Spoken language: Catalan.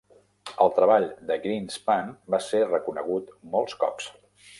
El treball de Greenspan va ser reconegut molts cops.